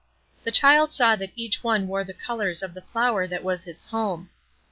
The child saw that each one wore the colors of the flower that was its home.